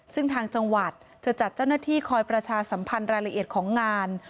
ซึ่งทางจังหวัดจะจัดเจ้าหน้าที่คอยประชาสัมพันธ์รายละเอียดของงาน